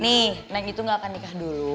nih neng itu gak akan nikah dulu